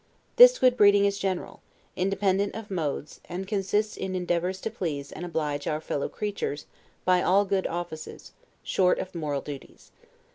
This good breeding is general, independent of modes, and consists in endeavors to please and oblige our fellow creatures by all good offices, short of moral duties.